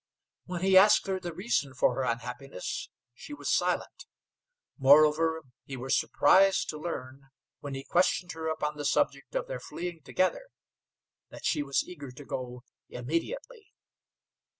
When he asked her the reason for her unhappiness, she was silent. Moreover, he was surprised to learn, when he questioned her upon the subject of their fleeing together, that she was eager to go immediately.